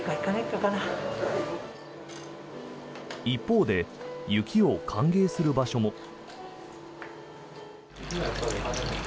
一方で、雪を歓迎する場所も。